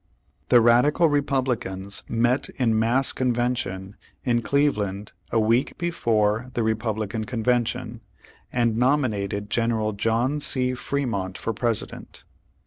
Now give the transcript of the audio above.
The radical Republicans met in mass conven tion, in Cleveland, a week ^ before the Republican Convention, and nominated General John C. Fre mont for President.